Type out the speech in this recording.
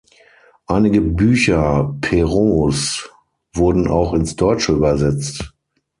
Einige Bücher Perraults wurden auch ins Deutsche übersetzt.